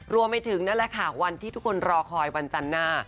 รวมไปถึงนั่นแหละค่ะวันที่ทุกคนรอคอยวันจันทร์หน้า